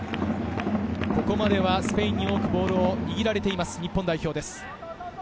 ここまではスペインに多くボールを握られている日本代表です。